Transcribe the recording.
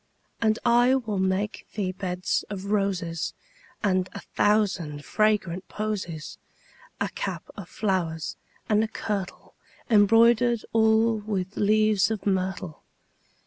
And I will make thee beds of roses And a thousand fragrant posies; 10 A cap of flowers, and a kirtle Embroider'd all with leaves of myrtle.